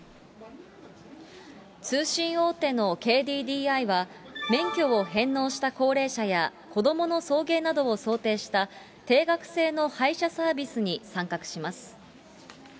通信大手のＫＤＤＩは、免許を返納した高齢者や、子どもの送迎などを想定した定額制の配車サービスに参画します。